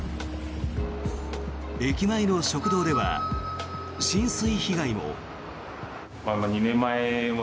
駅前の食堂では浸水被害も。